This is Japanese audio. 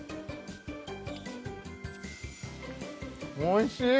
おいしい！